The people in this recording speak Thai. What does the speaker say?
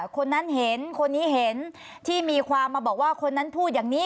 คนนั้นเห็นคนนี้เห็นที่มีความมาบอกว่าคนนั้นพูดอย่างนี้